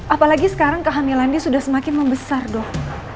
apalagi sekarang kehamilannya sudah semakin membesar dok